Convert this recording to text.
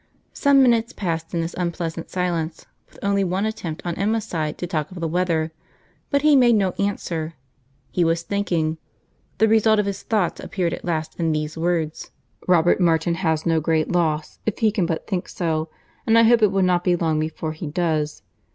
Some minutes passed in this unpleasant silence, with only one attempt on Emma's side to talk of the weather, but he made no answer. He was thinking. The result of his thoughts appeared at last in these words. "Robert Martin has no great loss—if he can but think so; and I hope it will not be long before he does.